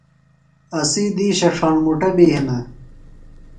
اسی دِیشہ ڇھاݨ مُٹہ بیۡ ہِنہ۔